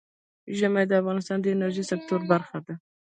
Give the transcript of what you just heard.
ژمی د افغانستان د انرژۍ سکتور برخه ده.